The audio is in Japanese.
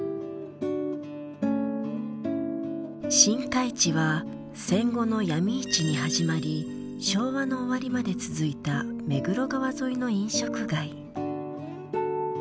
新開地は戦後の闇市に始まり昭和の終わりまで続いた目黒川沿いの飲食街。